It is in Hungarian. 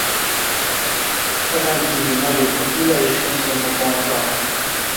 Ezenkívül nagyobb a füle és hosszabb a farka.